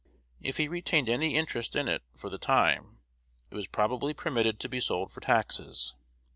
If he retained any interest in it for the time, it was probably permitted to be sold for taxes.